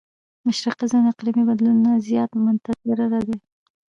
مشرقي زون اقليمي بدلون نه زيات متضرره دی.